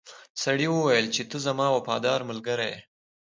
سړي وویل چې ته زما وفادار ملګری یې.